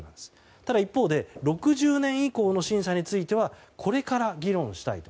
ただ一方で６０年以降の審査についてはこれから議論したいと。